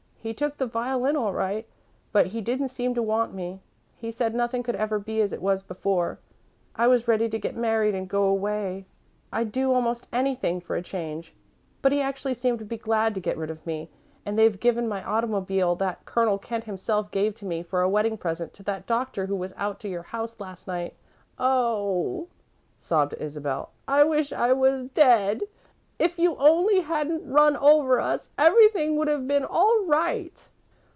He took the violin all right, but he didn't seem to want me. He said nothing could ever be as it was before. I was ready to get married and go away I'd do almost anything for a change but he actually seemed to be glad to get rid of me and they've given my automobile, that Colonel Kent himself gave to me for a wedding present, to that doctor who was out to your house last night. Oh," sobbed Isabel, "I wish I was dead. If you only hadn't run over us, everything would have been all right!"